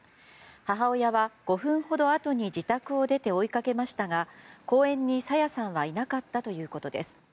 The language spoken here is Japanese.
母親は５分ほどあとに自宅を出て追いかけましたが公園に朝芽さんはいなかったということです。